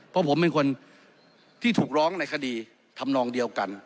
เพราะผมเป็นคนที่ถูกร้องในคดีทำนองเดียวกัน